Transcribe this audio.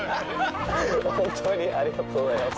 ホントにありがとうございます。